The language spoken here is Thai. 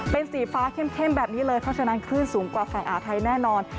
เป็นสีฟ้าเข้มแบบนี้เลยเพราะฉะนั้นคลื่นสูงกว่าฝั่งอ่าวไทยแน่นอน